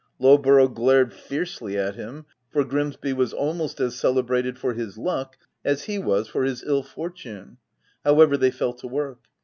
Lowborough glared fiercely at him, for Grimsby was almost as celebrated for his luck as he was for his ill fortune. However, they fell to work.